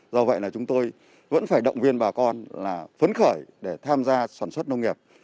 do vậy chúng tôi vẫn phải động viên bà con phấn khởi để tham gia sản xuất nông nghiệp